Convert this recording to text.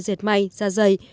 dệt may da dày